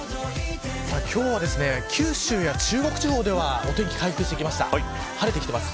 今日は九州や中国地方ではお天気回復してきました晴れてきています。